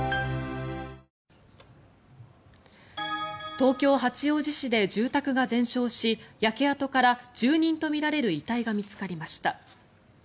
東京・八王子市で住宅が全焼し焼け跡から住人とみられる遺体が見つかりました。